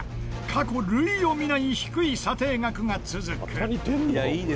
過去類を見ない低い査定額が続く。